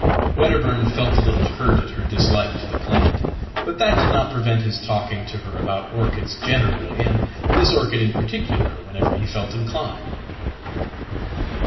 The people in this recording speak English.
Wedderburn felt a little hurt at her dislike to the plant. But that didnot prevent his talking to her about orchids generally, and this orchid inparticular, whenever he felt inclined."